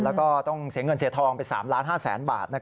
แล้วก็ต้องเสียเงินเสียทองไป๓๕๐๐๐๐บาท